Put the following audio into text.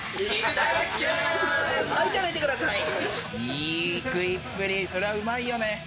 いい食いっぷり、そりゃうまいよね。